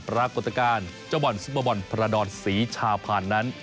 ปรากฏการจ้าวบอลซุปเปอร์บอลพระดอนสีชาวผ่านนั้น